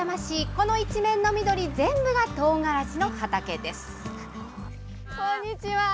この一面の緑、全部がとうがらしの畑です。